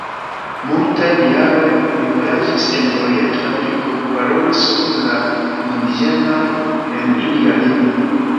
Multajn jarojn li vojaĝis en orienta Afriko, parolis kun la indiĝenoj en ilia lingvo.